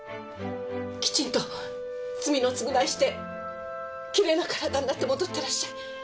きちんと罪の償いしてきれいな体になって戻ってらっしゃい。